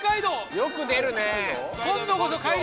よく出るね。